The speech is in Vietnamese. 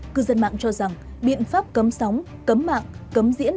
cư dân mạng cho rằng biện pháp cấm sóng cấm mạng cấm diễn